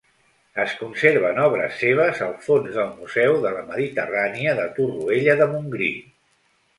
Es conserven obres seves al fons del Museu de la Mediterrània de Torroella de Montgrí.